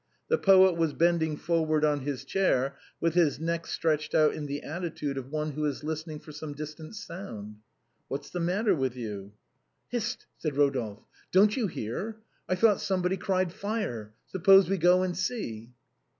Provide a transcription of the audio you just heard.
The poet was bending forward on his chair, with his neck stretched out in the attitude of one who is listening for some distant sound. " What's the matter with you ?" "Hist!" said Eodolphe, "don't you hear? I thought somebody cried fire ! Suppose we go and see."